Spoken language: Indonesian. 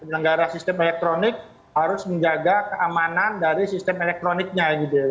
penyelenggara sistem elektronik harus menjaga keamanan dari sistem elektroniknya